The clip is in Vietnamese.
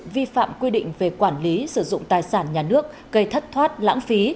vi phạm quy định về quản lý sử dụng tài sản nhà nước gây thất thoát lãng phí